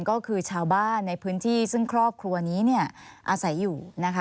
ก็คือชาวบ้านในพื้นที่ซึ่งครอบครัวนี้อาศัยอยู่นะคะ